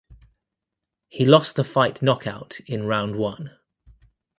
He lost the fight knockout in round one.